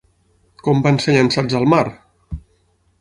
Com van ser llançats al mar?